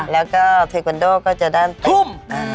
แล้วก็แทกอนดูว์ก็จะด้านทุ่ม